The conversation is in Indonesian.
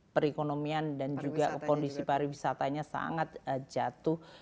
perekonomian dan juga kondisi pariwisatanya sangat jatuh